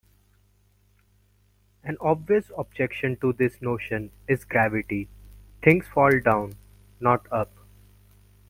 An obvious objection to this notion is gravity: things fall down, not up.